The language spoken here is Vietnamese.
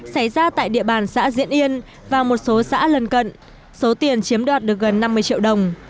xảy ra tại địa bàn xã diễn yên và một số xã lân cận số tiền chiếm đoạt được gần năm mươi triệu đồng